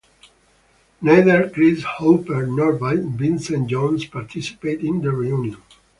Neither Chris Hooper nor Vincent Jones participated in the reunion.